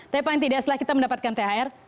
tapi paling tidak setelah kita mendapatkan thr